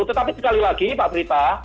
tetapi sekali lagi pak prita